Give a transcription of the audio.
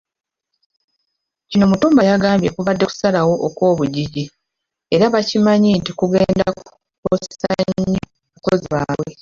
Kino, Mutumba yagambye kubadde kusalawo okw'obujiji era bakimanyi nti kugenda kukosa nnyo abakozi baabwe.